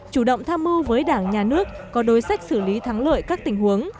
chủ động tham mưu với đảng nhà nước có đối sách xử lý thắng lợi các tình huống